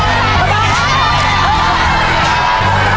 อาฮิละ